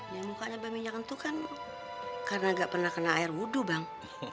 ya mukanya baminyakan itu kan karena nggak pernah kena air wudhu bang